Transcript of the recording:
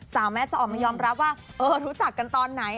แมทจะออกมายอมรับว่ารู้จักกันตอนไหน